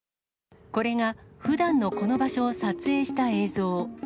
これがふだんのこの場所を撮影した映像。